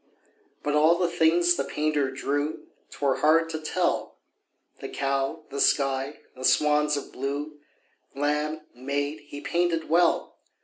But all the things the painter drew 'Twere hard to tell The cow, the sky, the swans of blue, Lamb, maid, he painted well.